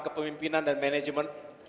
kepemimpinan dan manajemen